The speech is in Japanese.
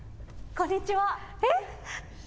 こんにちは。えっ。